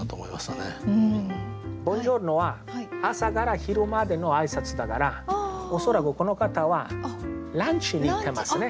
「ボンジョルノ」は朝から昼までの挨拶だから恐らくこの方はランチに行ってますね。